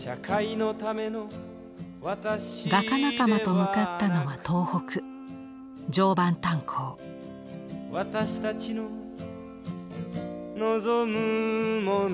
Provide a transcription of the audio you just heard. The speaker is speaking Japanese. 画家仲間と向かったのは東北「私たちの望むものは」